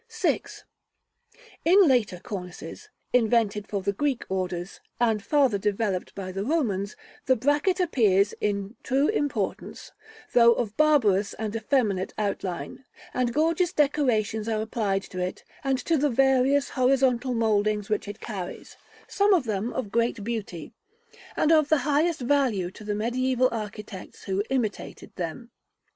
§ VI. In later cornices, invented for the Greek orders, and farther developed by the Romans, the bracket appears in true importance, though of barbarous and effeminate outline: and gorgeous decorations are applied to it, and to the various horizontal mouldings which it carries, some of them of great beauty, and of the highest value to the mediæval architects who imitated them.